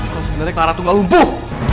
kok sebenernya clara tuh gak lumpuh